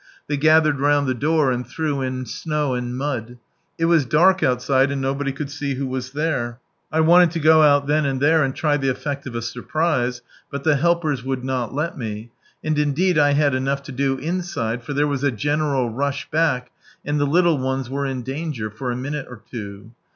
They gathered round the door and threw in snow and mud. It was dark outside, and nobody could see who was there. I wanted to go out then and there, and try the effect of a surprise, but the helpers would not let me, and in deed I had enough to do inside, for there was a general rush back, and the little ones were in danger for a minute or two.